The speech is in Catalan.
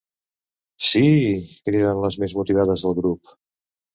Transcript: Síííí —criden les més motivades del grup.